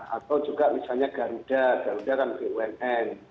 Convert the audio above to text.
atau juga misalnya garuda garuda kan bumn